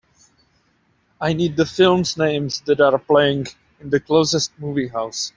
I need the films names that are playing in the closest movie house